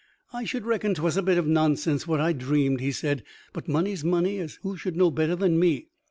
"I should reckon 'twas a bit of nonsense what I'd dreamed," he said; "but money's money, as who should know better than me?